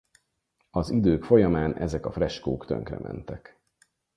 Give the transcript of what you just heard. Az idők folyamán ezek a freskók tönkrementek.